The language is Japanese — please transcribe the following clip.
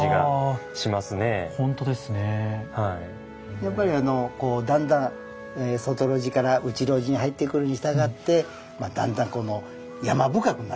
やっぱりあのこうだんだん外露地から内露地に入ってくるにしたがってだんだんこの山深くなっていく。